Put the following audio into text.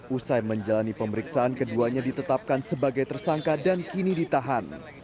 usai menjalani pemeriksaan keduanya ditetapkan sebagai tersangka dan kini ditahan